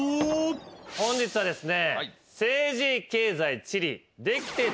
本日はですね。